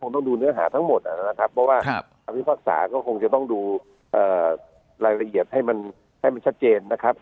ต้องดูเนื้อหาทั้งหมดจะต้องดูรายละเอียดให้มันให้มันชัดเจนนะครับ